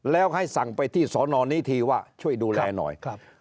แล้วให้สั่งไปที่สนนี้ทีว่าช่วยดูแลหน่อย